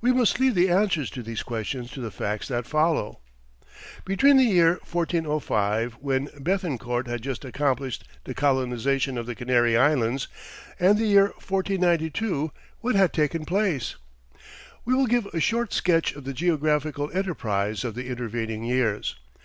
We must leave the answer to these questions to the facts that follow. Between the year 1405, when Béthencourt had just accomplished the colonization of the Canary Islands, and the year 1492, what had taken place? We will give a short sketch of the geographical enterprise of the intervening years.